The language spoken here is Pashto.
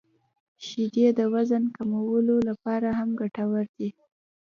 • شیدې د وزن کمولو لپاره هم ګټورې دي.